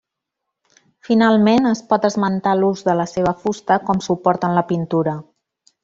Finalment es pot esmentar l'ús de la seva fusta com suport en la pintura.